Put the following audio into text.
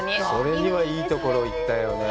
それにはいいところ行ったよね。